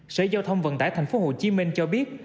sở giao thông vận tải tp hcm cho biết